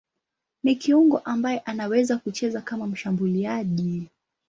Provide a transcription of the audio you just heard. Ni kiungo ambaye anaweza kucheza kama mshambuliaji.